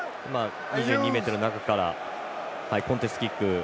２２ｍの中からコンテストキック。